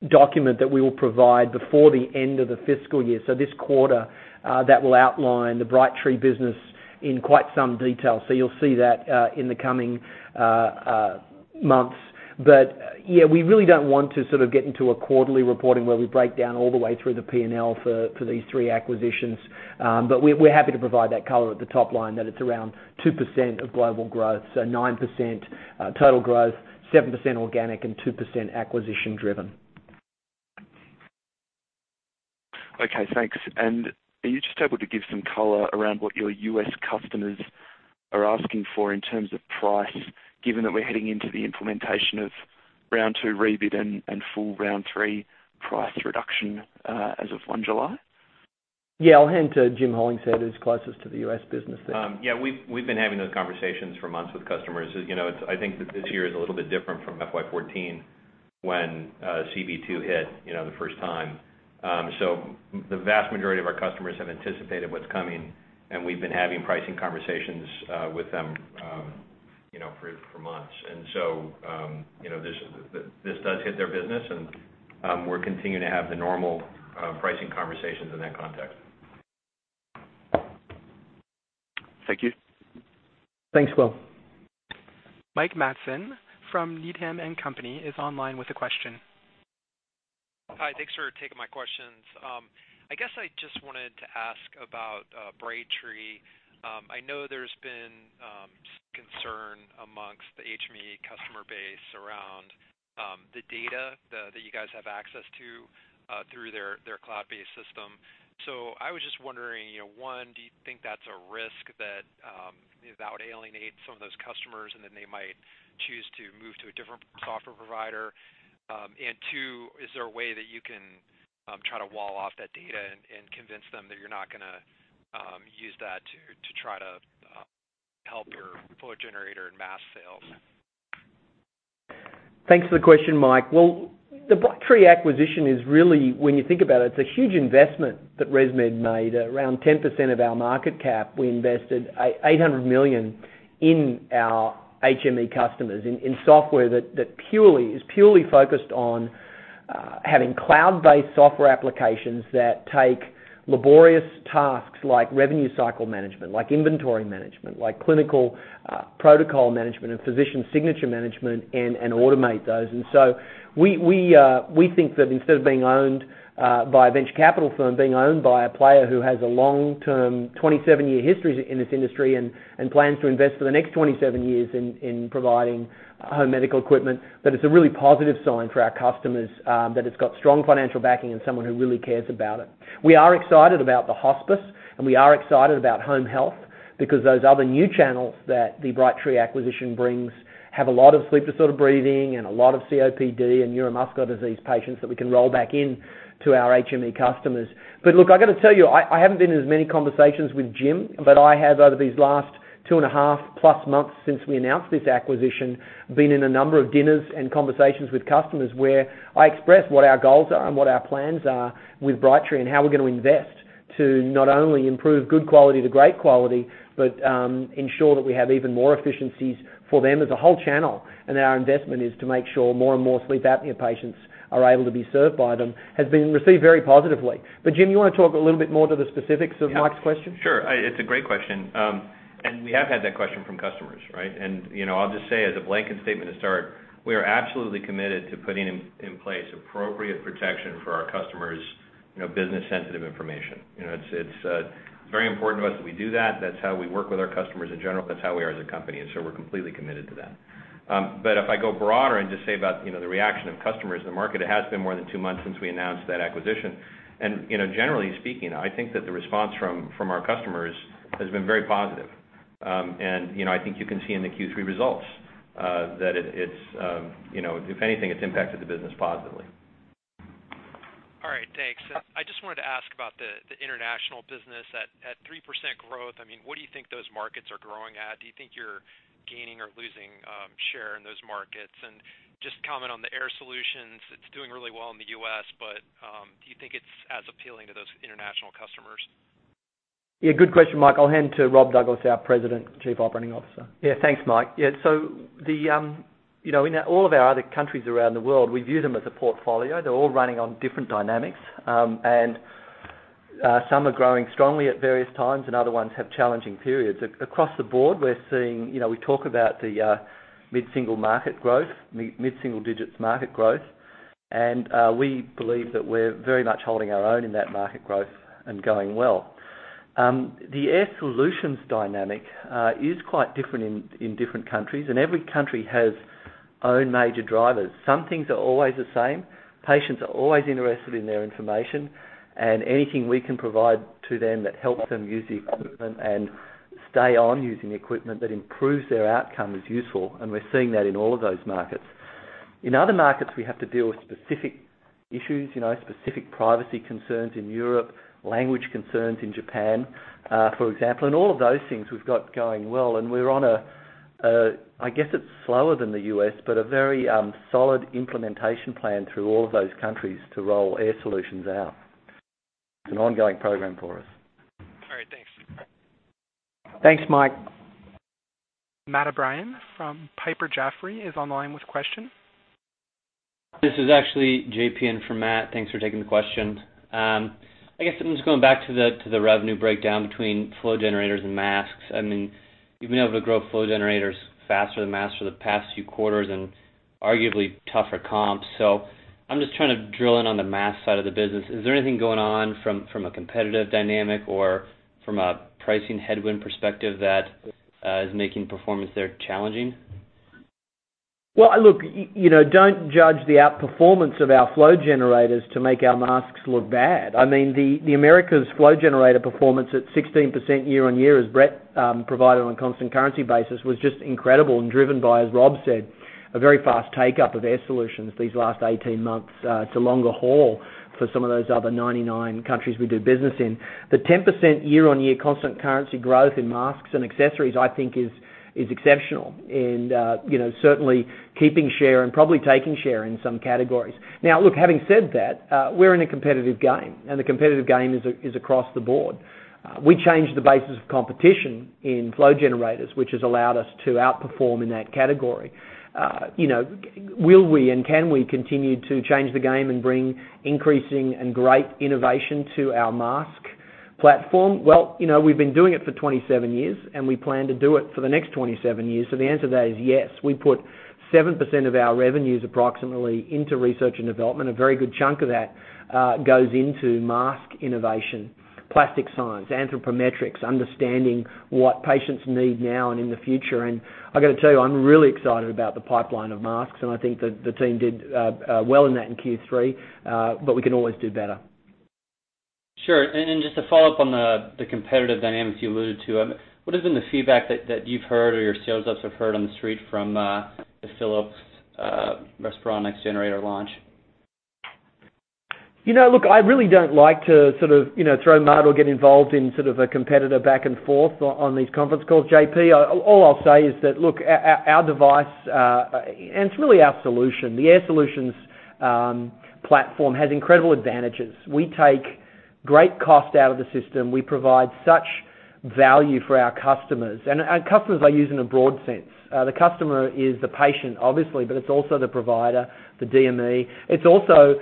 document that we will provide before the end of the fiscal year, so this quarter, that will outline the Brightree business in quite some detail. You'll see that in the coming months. Yeah, we really don't want to sort of get into a quarterly reporting where we break down all the way through the P&L for these three acquisitions. We're happy to provide that color at the top line, that it's around 2% of global growth. 9% total growth, 7% organic and 2% acquisition-driven. Okay, thanks. Are you just able to give some color around what your U.S. customers are asking for in terms of price, given that we're heading into the implementation of Round 2 rebid and full Round 3 price reduction as of 1 July? I'll hand to Jim Hollingshead, who's closest to the U.S. business there. We've been having those conversations for months with customers. I think that this year is a little bit different from FY 2014 when CB2 hit the first time. The vast majority of our customers have anticipated what's coming, and we've been having pricing conversations with them for months. This does hit their business and we're continuing to have the normal pricing conversations in that context. Thank you. Thanks, Will. Michael Matson from Needham & Company is online with a question. Hi. Thanks for taking my questions. I guess I just wanted to ask about Brightree. I know there's been some concern amongst the HME customer base around the data that you guys have access to through their cloud-based system. I was just wondering, one, do you think that's a risk that that would alienate some of those customers and then they might choose to move to a different software provider? Two, is there a way that you can try to wall off that data and convince them that you're not going to use that to try to help your flow generator and mask sales? Thanks for the question, Mike. The Brightree acquisition is really, when you think about it's a huge investment that ResMed made. Around 10% of our market cap, we invested $800 million in our HME customers, in software that is purely focused on having cloud-based software applications that take laborious tasks like revenue cycle management, like inventory management, like clinical protocol management, and physician signature management, and automate those. We think that instead of being owned by a venture capital firm, being owned by a player who has a long-term, 27-year history in this industry and plans to invest for the next 27 years in providing home medical equipment, that it's a really positive sign for our customers that it's got strong financial backing and someone who really cares about it. We are excited about the hospice, and we are excited about home health because those are the new channels that the Brightree acquisition brings, have a lot of sleep-disordered breathing, and a lot of COPD and neuromuscular disease patients that we can roll back into our HME customers. Look, I got to tell you, I haven't been in as many conversations with Jim, but I have, over these last two and a half plus months since we announced this acquisition, been in a number of dinners and conversations with customers where I express what our goals are and what our plans are with Brightree and how we're going to invest to not only improve good quality to great quality, but ensure that we have even more efficiencies for them as a whole channel. Our investment is to make sure more and more sleep apnea patients are able to be served by them, has been received very positively. Jim, you want to talk a little bit more to the specifics of Mike's question? Sure. It's a great question. We have had that question from customers, right? I'll just say as a blanket statement to start, we are absolutely committed to putting in place appropriate protection for our customers' business sensitive information. It's very important to us that we do that. That's how we work with our customers in general. That's how we are as a company, and so we're completely committed to that. If I go broader and just say about the reaction of customers in the market, it has been more than two months since we announced that acquisition. Generally speaking, I think that the response from our customers has been very positive. I think you can see in the Q3 results that, if anything, it's impacted the business positively. All right, thanks. I just wanted to ask about the international business. At 3% growth, what do you think those markets are growing at? Do you think you're gaining or losing share in those markets? Just comment on the Air Solutions. It's doing really well in the U.S., but do you think it's as appealing to those international customers? Yeah, good question, Mike. I will hand to Rob Douglas, our President, Chief Operating Officer. Thanks, Mike. In all of our other countries around the world, we view them as a portfolio. They are all running on different dynamics. Some are growing strongly at various times, and other ones have challenging periods. Across the board, we are seeing, we talk about the mid-single digits market growth, and we believe that we are very much holding our own in that market growth and going well. The Air Solutions dynamic is quite different in different countries, and every country has own major drivers. Some things are always the same. Patients are always interested in their information, and anything we can provide to them that helps them use the equipment and stay on using equipment that improves their outcome is useful, and we are seeing that in all of those markets. In other markets, we have to deal with specific issues, specific privacy concerns in Europe, language concerns in Japan, for example, all of those things we have got going well, and we are on a, I guess it is slower than the U.S., but a very solid implementation plan through all of those countries to roll Air Solutions out. It is an ongoing program for us. All right. Thanks. Thanks, Mike. Matt O'Brien from Piper Jaffray is online with questions. This is actually JP in for Matt. Thanks for taking the question. I guess I'm just going back to the revenue breakdown between flow generators and masks. You've been able to grow flow generators faster than masks for the past few quarters and arguably tougher comps. I'm just trying to drill in on the mask side of the business. Is there anything going on from a competitive dynamic or from a pricing headwind perspective that is making performance there challenging? Well, look, don't judge the outperformance of our flow generators to make our masks look bad. The Americas flow generator performance at 16% year-over-year, as Brett provided on a constant currency basis, was just incredible and driven by, as Rob said, a very fast take-up of Air Solutions these last 18 months. It's a longer haul for some of those other 99 countries we do business in. The 10% year-over-year constant currency growth in masks and accessories, I think is exceptional and certainly keeping share and probably taking share in some categories. Now, look, having said that, we're in a competitive game, and the competitive game is across the board. We changed the basis of competition in flow generators, which has allowed us to outperform in that category. Will we and can we continue to change the game and bring increasing and great innovation to our mask platform? Well, we've been doing it for 27 years, we plan to do it for the next 27 years. The answer to that is yes. We put 7% of our revenues approximately into research and development. A very good chunk of that goes into mask innovation, plastic science, anthropometrics, understanding what patients need now and in the future. I got to tell you, I'm really excited about the pipeline of masks, I think that the team did well in that in Q3, we can always do better. Sure. Just to follow up on the competitive dynamics you alluded to, what has been the feedback that you've heard or your sales reps have heard on the street from the Philips Respironics generator launch? Look, I really don't like to sort of throw mud or get involved in sort of a competitor back and forth on these conference calls, J.P. All I'll say is that, look, our device, it's really our solution. The Air Solutions platform has incredible advantages. We take great cost out of the system. We provide such value for our customers I use in a broad sense. The customer is the patient, obviously, it's also the provider, the DME. It's also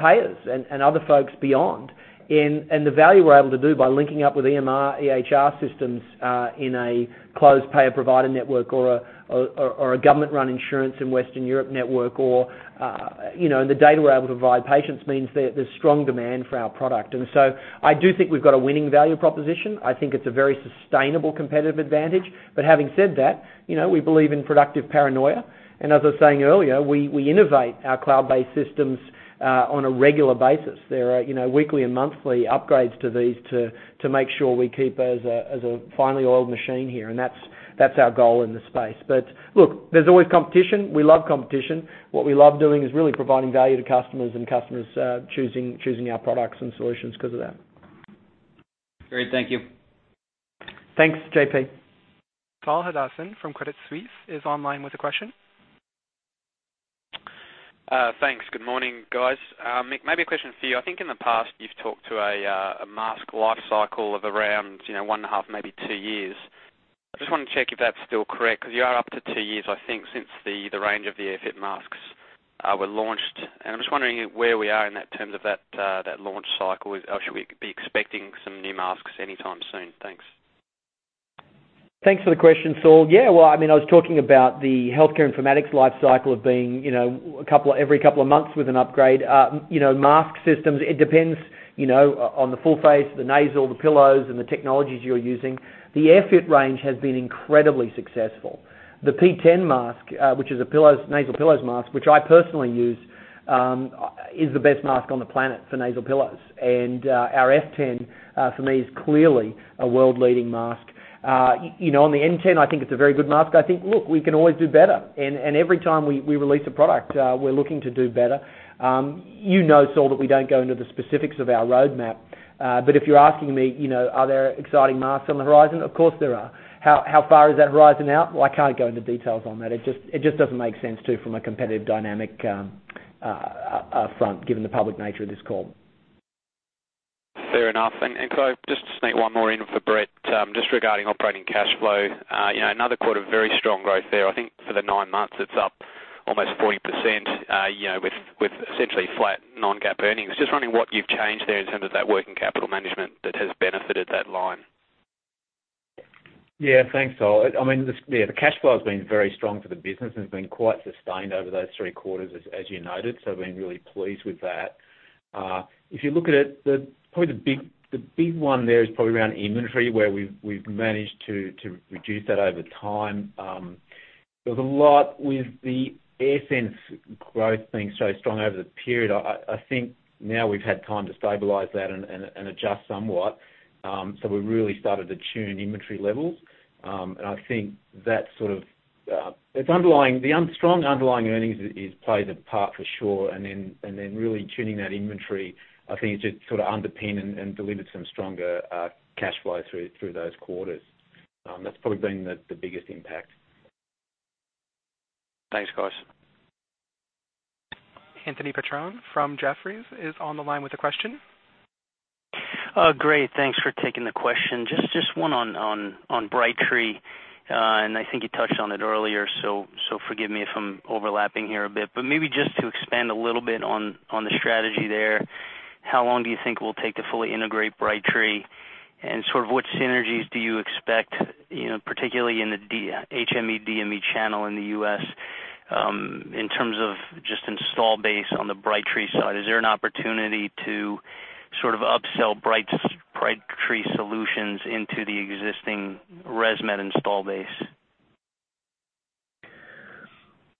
payers and other folks beyond. The value we're able to do by linking up with EMR, EHR systems, in a closed payer provider network or a government-run insurance in Western Europe network, or the data we're able to provide patients means there's strong demand for our product. I do think we've got a winning value proposition. I think it's a very sustainable competitive advantage. Having said that, we believe in productive paranoia, as I was saying earlier, we innovate our cloud-based systems on a regular basis. There are weekly and monthly upgrades to these to make sure we keep as a finely oiled machine here, that's our goal in this space. Look, there's always competition. We love competition. What we love doing is really providing value to customers and customers choosing our products and solutions because of that. Great. Thank you. Thanks, J.P. Saul Hadassin from Credit Suisse is online with a question. Thanks. Good morning, guys. Mick, maybe a question for you. I think in the past you've talked to a mask lifecycle of around one and a half, maybe two years. I just want to check if that's still correct, because you are up to two years, I think, since the range of the AirFit masks were launched. I'm just wondering where we are in terms of that launch cycle. Should we be expecting some new masks anytime soon? Thanks. Thanks for the question, Saul. I was talking about the healthcare informatics lifecycle of being every couple of months with an upgrade. Mask systems, it depends on the full face, the nasal, the pillows, and the technologies you're using. The AirFit range has been incredibly successful. The P10 mask, which is a nasal pillows mask, which I personally use, is the best mask on the planet for nasal pillows. Our F10 for me is clearly a world-leading mask. The N10, I think it's a very good mask. I think, look, we can always do better, and every time we release a product, we're looking to do better. You know, Saul, that we don't go into the specifics of our roadmap. If you're asking me, are there exciting masks on the horizon? Of course, there are. How far is that horizon out? I can't go into details on that. It just doesn't make sense too from a competitive dynamic front, given the public nature of this call. Fair enough. Just need one more in for Brett, just regarding operating cash flow. Another quarter of very strong growth there, I think for the nine months, it's up almost 40% with essentially flat non-GAAP earnings. Just wondering what you've changed there in terms of that working capital management that has benefited that line. Thanks, Saul. The cash flow has been very strong for the business and has been quite sustained over those three quarters, as you noted, we've been really pleased with that. If you look at it, the big one there is probably around inventory, where we've managed to reduce that over time. There was a lot with the AirSense growth being so strong over the period. I think now we've had time to stabilize that and adjust somewhat. We've really started to tune inventory levels. The strong underlying earnings has played a part for sure, really tuning that inventory, I think, has just sort of underpinned and delivered some stronger cash flow through those quarters. That's probably been the biggest impact. Thanks, guys. Anthony Petrone from Jefferies is on the line with a question. Great, thanks for taking the question. Just one on Brightree. I think you touched on it earlier, so forgive me if I'm overlapping here a bit. Maybe just to expand a little bit on the strategy there, how long do you think it will take to fully integrate Brightree? What synergies do you expect, particularly in the HME/DME channel in the U.S., in terms of just install base on the Brightree side? Is there an opportunity to sort of upsell Brightree solutions into the existing ResMed install base?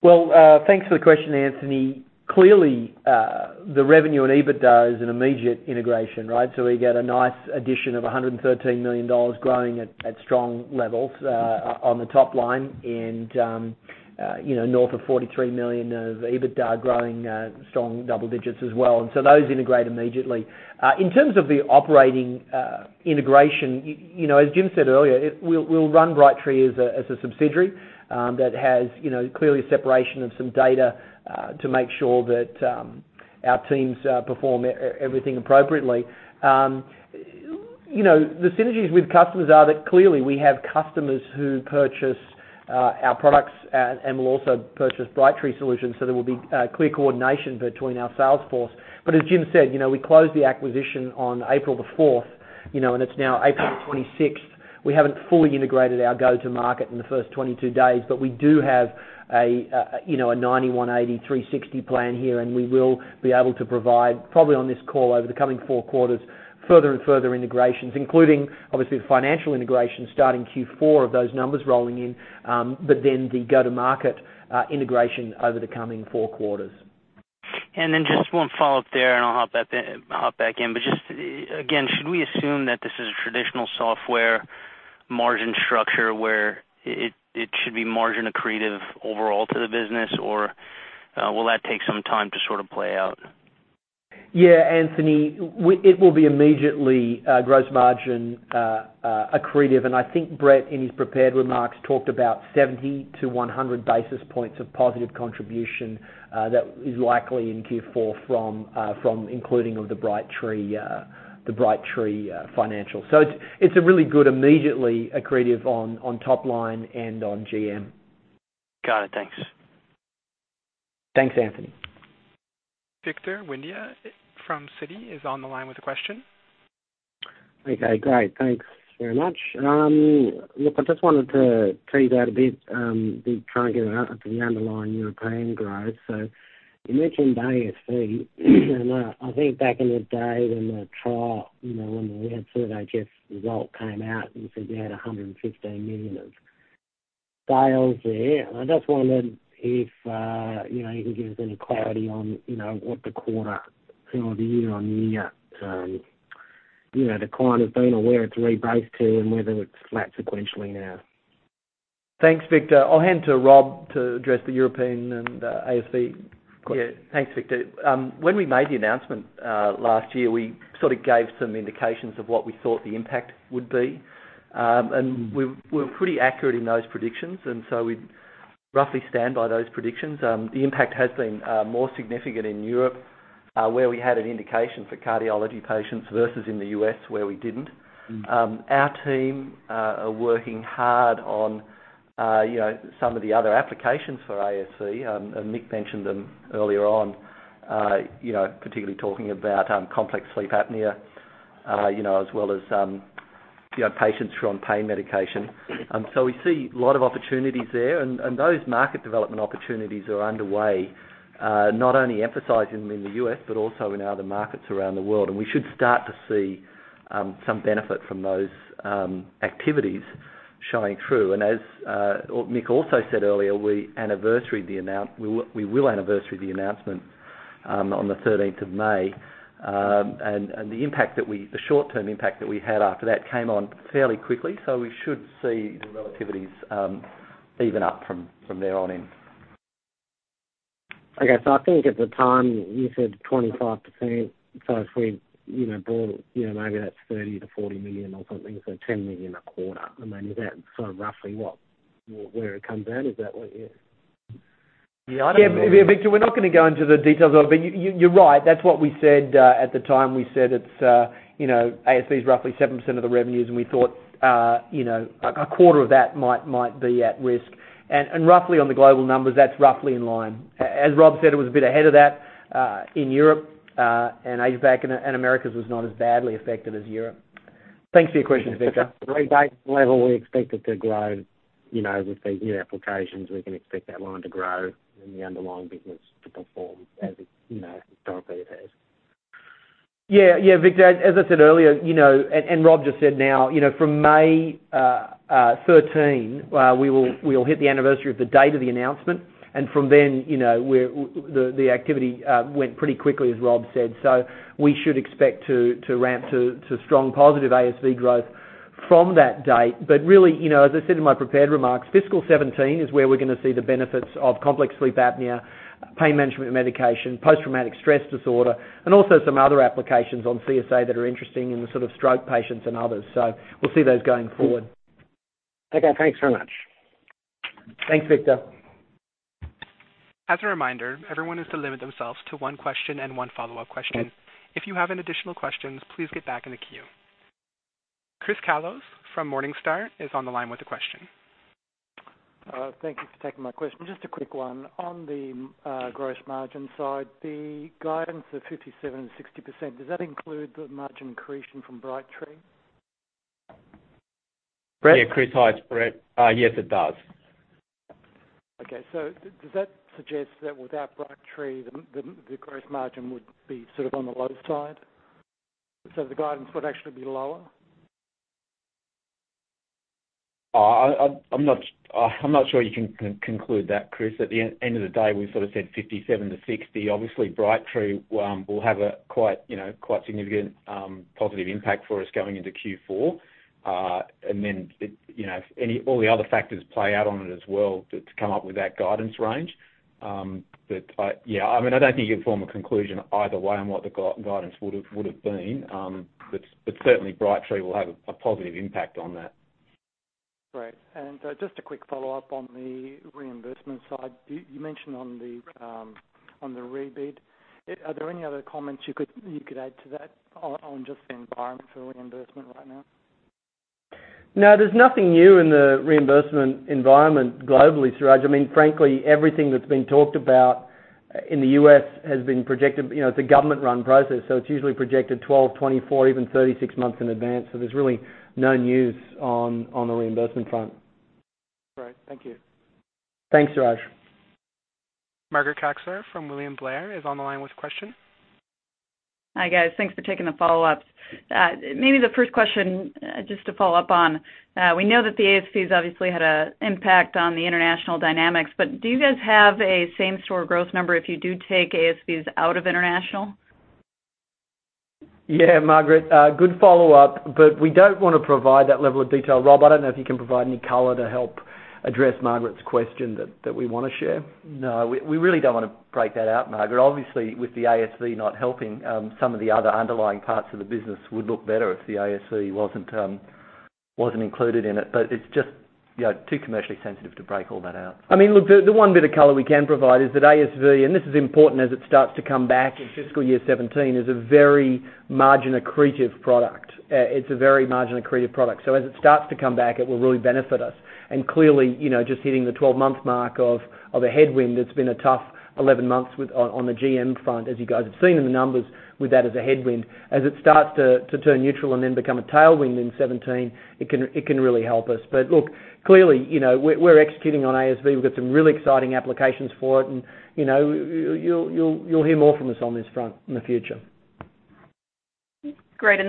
Well, thanks for the question, Anthony. Clearly, the revenue and EBITDA is an immediate integration, right. We get a nice addition of $113 million growing at strong levels on the top line and north of $43 million of EBITDA growing strong double digits as well. Those integrate immediately. In terms of the operating integration, as Jim said earlier, we'll run Brightree as a subsidiary that has clearly separation of some data to make sure that our teams perform everything appropriately. The synergies with customers are that clearly we have customers who purchase our products and will also purchase Brightree solutions. There will be clear coordination between our sales force. As Jim said, we closed the acquisition on April the 4th, and it's now April the 26th. We haven't fully integrated our go-to-market in the first 22 days, but we do have a 90/180/360 plan here, and we will be able to provide, probably on this call over the coming four quarters, further and further integrations, including obviously the financial integration starting Q4 of those numbers rolling in, but then the go-to-market integration over the coming four quarters. Just one follow-up there, and I'll hop back in. Just again, should we assume that this is a traditional software margin structure where it should be margin accretive overall to the business, or will that take some time to sort of play out? Yeah, Anthony, it will be immediately gross margin accretive. I think Brett, in his prepared remarks, talked about 70 to 100 basis points of positive contribution that is likely in Q4 from including of the Brightree financial. It's really good, immediately accretive on top line and on GM. Got it. Thanks. Thanks, Anthony. Victor Windya from Citi is on the line with a question. Okay, great. Thanks very much. Look, I just wanted to tease out a bit, try and get to the underlying European growth. You mentioned ASV, and I think back in the day when the trial, when we had sort of SERVE-HF result came out and said you had $115 million of sales there. I just wondered if you can give us any clarity on what the quarter or the year-on-year decline has been, or where it's rebased to and whether it's flat sequentially now. Thanks, Victor. I'll hand to Rob to address the European and ASV question. Yeah. Thanks, Victor. When we made the announcement last year, we sort of gave some indications of what we thought the impact would be. We were pretty accurate in those predictions. We roughly stand by those predictions. The impact has been more significant in Europe, where we had an indication for cardiology patients versus in the U.S. where we didn't. Our team are working hard on some of the other applications for ASV. Mick mentioned them earlier on, particularly talking about complex sleep apnea, as well as patients who are on pain medication. We see a lot of opportunities there. Those market development opportunities are underway, not only emphasizing them in the U.S. but also in other markets around the world. We should start to see some benefit from those activities showing through. As Mick also said earlier, we will anniversary the announcement on the 13th of May. The short-term impact that we had after that came on fairly quickly. We should see the relativities even up from there on in. Okay. I think at the time you said 25%. If we brought maybe that's $30 million to $40 million or something, $10 million a quarter. I mean, is that sort of roughly what, where it comes out? Is that what you Yeah, I don't know- Yeah. Victor, we're not going to go into the details of it. You're right, that's what we said at the time. We said ASV is roughly 7% of the revenues, we thought a quarter of that might be at risk. Roughly on the global numbers, that's roughly in line. As Rob said, it was a bit ahead of that, in Europe and Asia Pac, and Americas was not as badly affected as Europe. Thanks for your question, Victor. Rebase level, we expect it to grow, with these new applications, we can expect that line to grow and the underlying business to perform as historically it has. Yeah. Victor, as I said earlier, Rob just said now, from May 13, we will hit the anniversary of the date of the announcement, from then, the activity went pretty quickly, as Rob said. We should expect to ramp to strong positive ASV growth from that date. Really, as I said in my prepared remarks, fiscal 2017 is where we're going to see the benefits of complex sleep apnea, pain management medication, post-traumatic stress disorder, and also some other applications on CSA that are interesting in the sort of stroke patients and others. We'll see those going forward. Okay, thanks very much. Thanks, Victor. As a reminder, everyone is to limit themselves to one question and one follow-up question. If you have any additional questions, please get back in the queue. Chris Kallos from Morningstar is on the line with a question. Thank you for taking my question. Just a quick one. On the gross margin side, the guidance of 57% and 60%, does that include the margin accretion from Brightree? Brett? Yeah, Chris. Hi, it's Brett. Yes, it does. Does that suggest that without Brightree, the gross margin would be sort of on the low side? The guidance would actually be lower? I'm not sure you can conclude that, Chris. At the end of the day, we sort of said 57%-60%. Obviously, Brightree will have a quite significant positive impact for us going into Q4. All the other factors play out on it as well to come up with that guidance range. I don't think you can form a conclusion either way on what the guidance would've been. Certainly, Brightree will have a positive impact on that. Great. Just a quick follow-up on the reimbursement side. You mentioned on the rebid. Are there any other comments you could add to that on just the environment for reimbursement right now? No, there's nothing new in the reimbursement environment globally, Suraj. Frankly, everything that's been talked about in the U.S. has been projected. It's a government-run process, it's usually projected 12, 24, even 36 months in advance. There's really no news on the reimbursement front. Great. Thank you. Thanks, Suraj. Margaret Kaczor from William Blair is on the line with a question. Hi, guys. Thanks for taking the follow-ups. Maybe the first question, just to follow up on, we know that the ASVs obviously had an impact on the international dynamics. Do you guys have a same-store growth number if you do take ASVs out of international? Margaret, good follow-up. We don't want to provide that level of detail. Rob, I don't know if you can provide any color to help address Margaret's question that we want to share. We really don't want to break that out, Margaret. Obviously, with the ASV not helping, some of the other underlying parts of the business would look better if the ASV wasn't included in it. It's just too commercially sensitive to break all that out. The one bit of color we can provide is that ASV, and this is important as it starts to come back in FY 2017, is a very margin-accretive product. It's a very margin-accretive product. As it starts to come back, it will really benefit us. Clearly, just hitting the 12-month mark of a headwind, it's been a tough 11 months on the GM front, as you guys have seen in the numbers with that as a headwind. As it starts to turn neutral and then become a tailwind in 2017, it can really help us. Look, clearly, we're executing on ASV. We've got some really exciting applications for it, and you'll hear more from us on this front in the future. Great.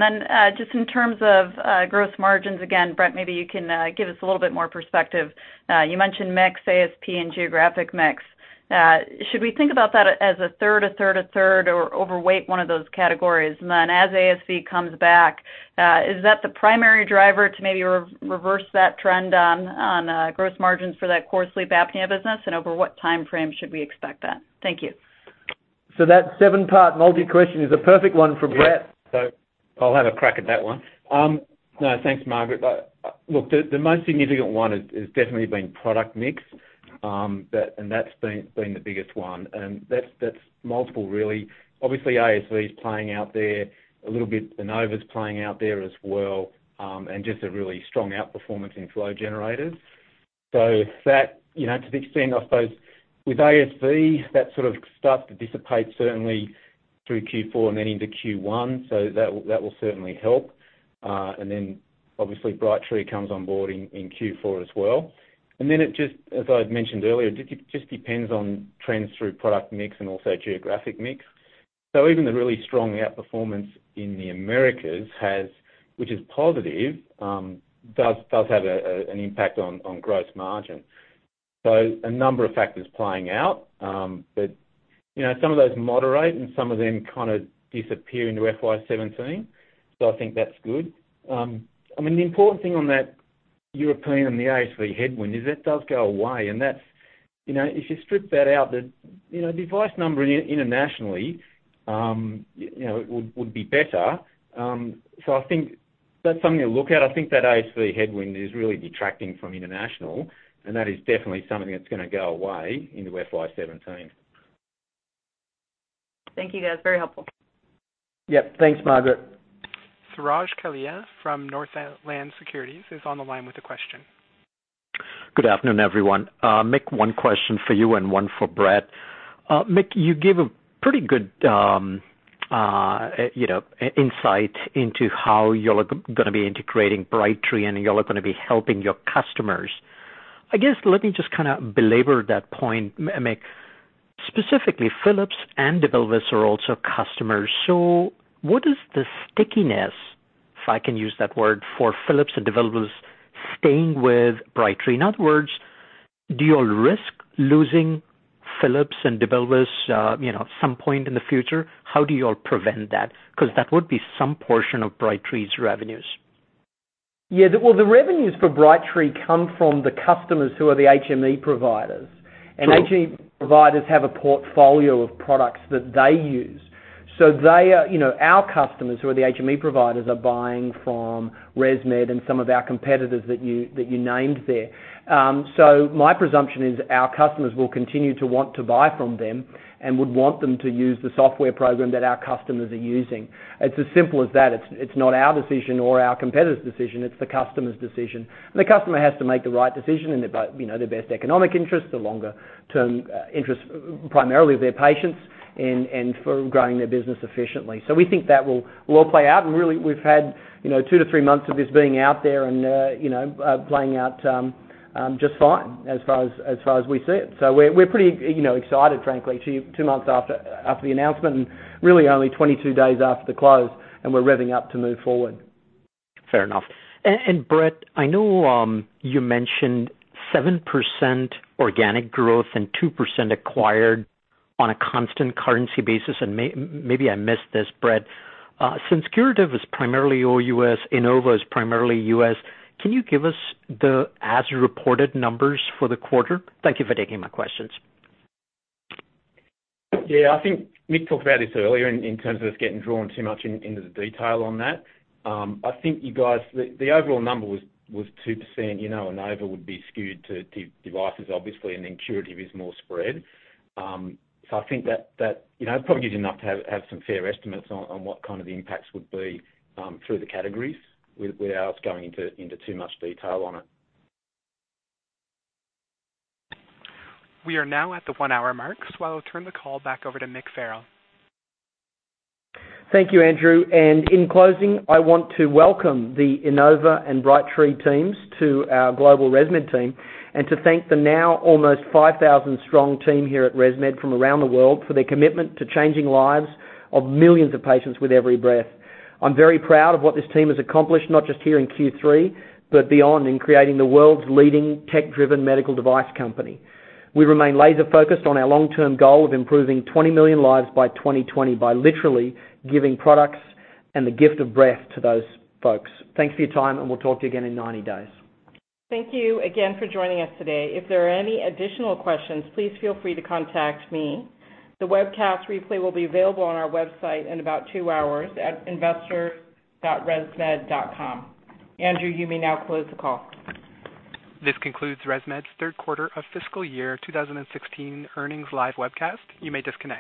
Just in terms of gross margins, again, Brett, maybe you can give us a little bit more perspective. You mentioned mix, ASP, and geographic mix. Should we think about that as a third, a third, a third, or overweight one of those categories? As ASV comes back, is that the primary driver to maybe reverse that trend on gross margins for that core sleep apnea business? Over what timeframe should we expect that? Thank you. That seven-part multi-question is a perfect one for Brett. I'll have a crack at that one. No, thanks, Margaret. Look, the most significant one has definitely been product mix, and that's been the biggest one, and that's multiple really. Obviously, ASV is playing out there a little bit. Inova's playing out there as well, and just a really strong outperformance in flow generators. To the extent, I suppose, with ASV, that sort of starts to dissipate certainly through Q4 and then into Q1, that will certainly help. Obviously, Brightree comes on board in Q4 as well. It just, as I'd mentioned earlier, just depends on trends through product mix and also geographic mix. Even the really strong outperformance in the Americas, which is positive, does have an impact on gross margin. A number of factors playing out. Some of those moderate and some of them kind of disappear into FY 2017. I think that's good. The important thing on that European and the ASV headwind is that does go away, and if you strip that out, the device number internationally would be better. I think that's something to look at. I think that ASV headwind is really detracting from international, and that is definitely something that's going to go away into FY 2017. Thank you, guys. Very helpful. Yep. Thanks, Margaret. Suraj Kalia from Northland Securities is on the line with a question. Good afternoon, everyone. Mick, one question for you and one for Brett. Mick, you gave a pretty good insight into how you're going to be integrating Brightree and you're going to be helping your customers. I guess, let me just kind of belabor that point, Mick. Specifically, Philips and DeVilbiss are also customers. What is the stickiness, if I can use that word, for Philips and DeVilbiss staying with Brightree? In other words, do you risk losing Philips and DeVilbiss at some point in the future? How do you all prevent that? That would be some portion of Brightree's revenues. Yeah. Well, the revenues for Brightree come from the customers who are the HME providers. Sure. HME providers have a portfolio of products that they use. Our customers, who are the HME providers, are buying from ResMed and some of our competitors that you named there. My presumption is our customers will continue to want to buy from them and would want them to use the software program that our customers are using. It is as simple as that. It is not our decision or our competitor's decision. It is the customer's decision. The customer has to make the right decision in their best economic interest, the longer-term interest, primarily of their patients and for growing their business efficiently. We think that will all play out, and really, we have had 2 to 3 months of this being out there and playing out just fine as far as we see it. We are pretty excited, frankly, 2 months after the announcement and really only 22 days after the close, and we are revving up to move forward. Fair enough. Brett, I know you mentioned 7% organic growth and 2% acquired on a constant currency basis, and maybe I missed this, Brett. Curative is primarily all U.S., Inova is primarily U.S., can you give us the as-reported numbers for the quarter? Thank you for taking my questions. I think Mick talked about this earlier in terms of us getting drawn too much into the detail on that. I think you guys, the overall number was 2%. Inova would be skewed to devices, obviously, and then Curative is more spread. I think that probably gives you enough to have some fair estimates on what kind of impacts would be through the categories without us going into too much detail on it. We are now at the one-hour mark. I will turn the call back over to Mick Farrell. Thank you, Andrew. In closing, I want to welcome the Inova and Brightree teams to our global ResMed team and to thank the now almost 5,000-strong team here at ResMed from around the world for their commitment to changing lives of millions of patients with every breath. I'm very proud of what this team has accomplished, not just here in Q3, but beyond in creating the world's leading tech-driven medical device company. We remain laser-focused on our long-term goal of improving 20 million lives by 2020 by literally giving products and the gift of breath to those folks. Thanks for your time. We'll talk to you again in 90 days. Thank you again for joining us today. If there are any additional questions, please feel free to contact me. The webcast replay will be available on our website in about two hours at investor.resmed.com. Andrew, you may now close the call. This concludes ResMed's third quarter of fiscal year 2016 earnings live webcast. You may disconnect.